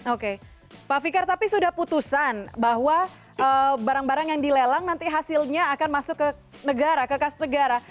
oke pak fikar tapi sudah putusan bahwa barang barang yang dilelang nanti hasilnya akan masuk ke negara ke kas negara